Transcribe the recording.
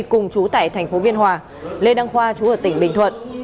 cùng chú tại thành phố biên hòa lê đăng khoa chú ở tỉnh bình thuận